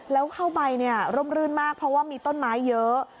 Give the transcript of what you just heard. แล้วเข้าไปร่มรื่นมากเพราะว่ามีต้นไม้เยอะ